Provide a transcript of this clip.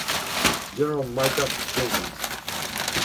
General Micah Jenkins.